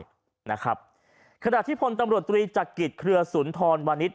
นะครับขณะที่พลตำรวจตรีจักริตเครือสุนทรวานิส